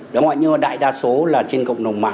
đó gọi như là đại đa số là trên cộng đồng của chúng ta